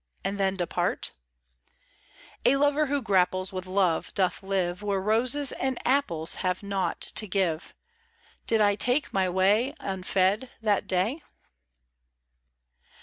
And then depart ? A lover, who grapples With love, doth live Where roses and apples Have naught to give : Did I take my way Unfed that day?